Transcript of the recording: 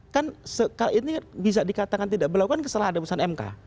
kan ini bisa dikatakan tidak berlakukan setelah ada pusat mk